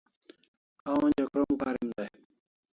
A onja krom karim day